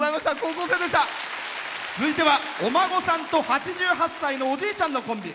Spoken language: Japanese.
続いては、お孫さんと８８歳のおじいちゃんのコンビ。